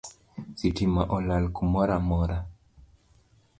Sitima olal kumoramora